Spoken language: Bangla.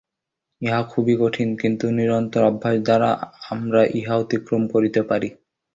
ইহা খুবই কঠিন, কিন্তু নিরন্তর অভ্যাস দ্বারা আমরা ইহা অতিক্রম করিতে পারি।